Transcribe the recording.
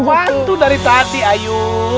udah pantu dari tadi ayo